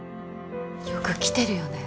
よく来てるよね